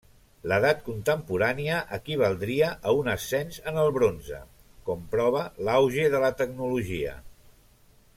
L'edat contemporània equivaldria a un ascens en el bronze, com prova l'auge de la tecnologia.